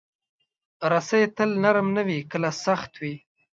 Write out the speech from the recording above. رسۍ تل نرم نه وي، کله سخت وي.